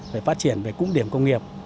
về phát triển về cụm điểm công nghiệp